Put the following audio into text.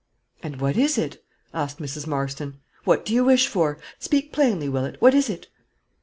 "And what is it?" asked Mrs. Marston; "what do you wish for? Speak plainly, Willett; what is it?"